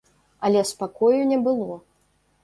Але спакою не было.